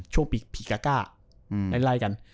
ช่วงปีพีกาก้า